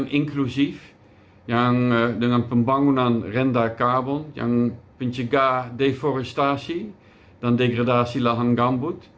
yaitu satu ekonomi yang inklusif dengan pembangunan rendah karbon yang mencegah deforestasi dan degradasi lahan gambut